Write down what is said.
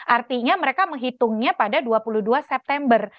artinya mereka menghitungnya pada dua puluh dua september